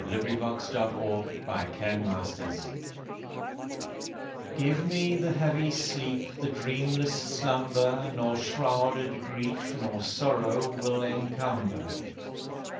[«4] THE SAD TEARS THE QUESTION GIVE me the heavy sleep, the dreamless slumber Nor shrouded grief nor sorrow will encumber.